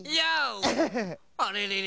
あれれれ？